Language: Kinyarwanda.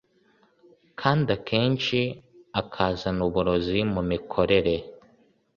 kandi akenshi ukazana uburozi mu mikorere